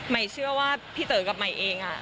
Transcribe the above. เชื่อว่าพี่เต๋อกับใหม่เอง